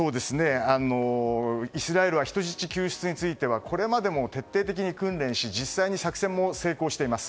イスラエルは人質救出についてこれまで徹底的に訓練し実際に作戦も成功しています。